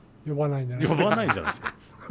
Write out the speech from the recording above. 呼ばないじゃないですか。